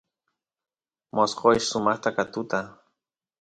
mosqoysh sumaqta ka katuta